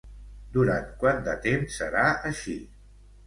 Durant quant de temps serà així?